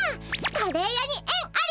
カレー屋にえんあり！